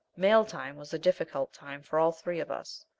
Mail time was the difficult time for all three of us.